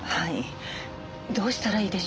どうしたらいいでしょう。